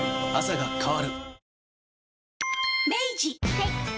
はい。